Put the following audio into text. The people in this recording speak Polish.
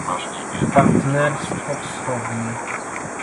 Partnerstwo wschodnie